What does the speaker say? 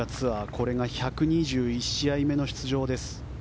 これが１２１試合目の出場です。